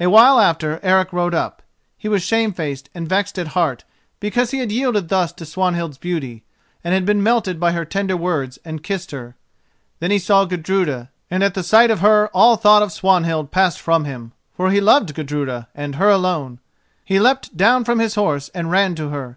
A while after Eric rode up. He was shamefaced and vexed at heart, because he had yielded thus to Swanhild's beauty, and been melted by her tender words and kissed her. Then he saw Gudruda, and at the sight of her all thought of Swanhild passed from him, for he loved Gudruda and her alone. He leapt down from his horse and ran to her.